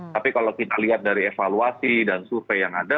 tapi kalau kita lihat dari evaluasi dan survei yang ada